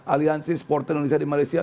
aliansi supporter indonesia di malaysia